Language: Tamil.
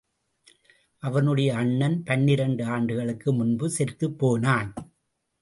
அவனுடைய அண்ணன் பன்னிரண்டு ஆண்டுகளுக்கு முன்பு செத்துப் போனான்.